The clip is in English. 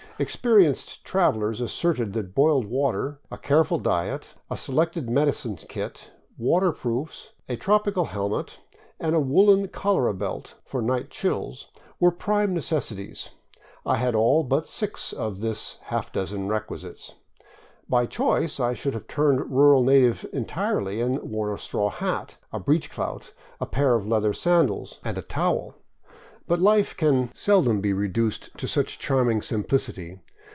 Experienced travelers asserted that boiled water, a careful diet, a selected medicine kit, waterproofs, a tropical helmet, and a woolen cholera belt for night chills were prime necessities. I had all but six of this half dozen requisites. By choice I should have turned rural native entirely and worn a straw hat, a breechclout, a pair of leather sandals, and a towel. But life can 559 VAGABONDING DOWN THE ANDES seldom be reduced to such charming simpHcity.